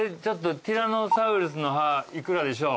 ティラノサウルスの歯幾らでしょう？